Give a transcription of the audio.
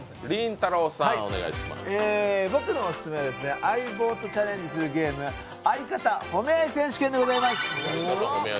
僕のオススメは相棒とチャレンジするゲーム相方褒め合い選手権です！